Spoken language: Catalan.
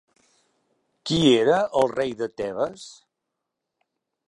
Qui era el rei de Tebes?